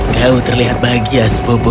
kau terlihat bahagia sepupu